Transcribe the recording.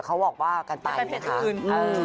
เขาบอกว่ากันไปนะไม่เป็นเป็นคนอื่น